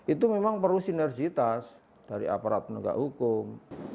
itu memang perlu sinergitas dari aparat penegak hukum